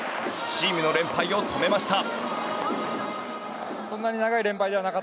チームの連敗を止めました。